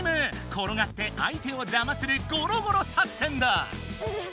ころがって相手をじゃまするゴロゴロ作戦だ！